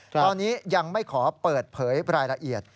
ตอนนี้ยังไม่ขอเปิดเผยรายละเอียด